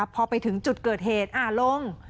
พอไปถึงจุดเกิดเหตุอ่าลง